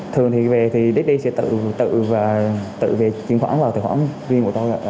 thường thì daddy sẽ tự về tiền khoản và tiền khoản riêng của tôi